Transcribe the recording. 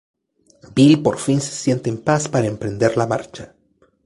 Bill por fin se siente en paz para emprender la marcha.